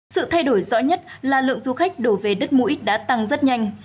sự thay đổi rõ nhất là lượng du khách đổ về đất mũi đã tăng rất nhanh